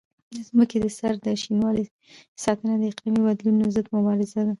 د ځمکې د سر د شینوالي ساتنه د اقلیمي بدلونونو ضد مبارزه ده.